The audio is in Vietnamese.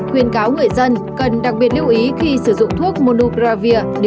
khuyên cáo người dân cần đặc biệt lưu ý khi sử dụng thuốc monubravir